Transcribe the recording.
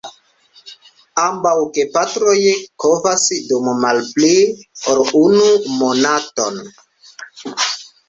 Ambaŭ gepatroj kovas dum malpli ol unu monato.